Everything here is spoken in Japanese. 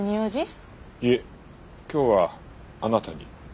いえ今日はあなたに。